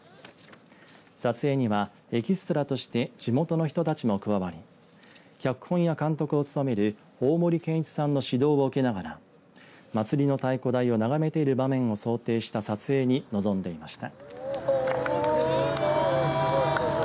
撮影には、エキストラとして地元の人たちも加わり脚本や監督を務める大森研一さんの指導を受けながら祭りの太鼓台を眺めている場面を想定した撮影に臨んでいました。